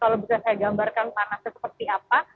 kalau bisa saya gambarkan panasnya seperti apa